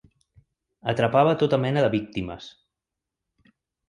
Atrapava tota mena de víctimes.